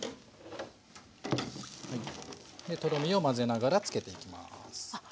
でとろみを混ぜながらつけていきます。